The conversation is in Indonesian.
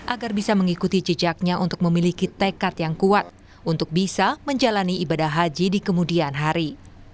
agar bisa mengikuti jejaknya untuk memiliki tekad yang kuat untuk bisa menjalani ibadah haji di kemudian hari